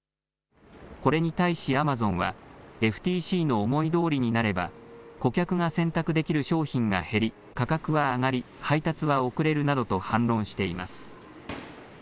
これに対しアマゾンはＦＴＣの思いどおりになれば顧客が選択できる商品が減り価格は上がり、配達は遅れるなどと反論しています。